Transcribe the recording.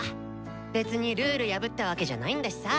別にルール破ったわけじゃないんだしさぁ。